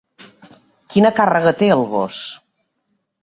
Quina càrrega té el gos?